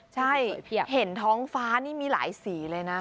ใช่เห็นท้องฟ้านี่มีหลายสีเลยนะ